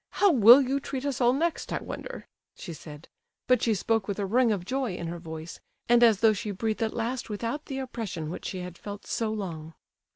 How will you treat us all next, I wonder?" she said, but she spoke with a ring of joy in her voice, and as though she breathed at last without the oppression which she had felt so long.